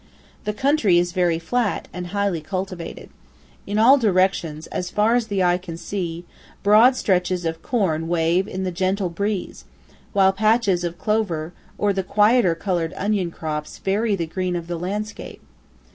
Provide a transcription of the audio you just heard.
The country is very flat and highly cultivated. In all directions, as far as the eye can see, broad stretches of corn wave in the gentle breeze, while brilliant patches of clover or the quieter coloured onion crops vary the green of the landscape.